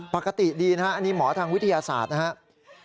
ปกติดีนะครับอันนี้หมอทางวิทยาศาสตร์นะครับ